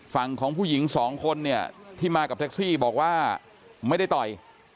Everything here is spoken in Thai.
ฝั่งของผู้หญิงสองคนเนี่ยที่มากับแท็กซี่บอกว่าไม่ได้ต่อย